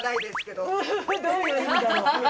どういう意味だろう。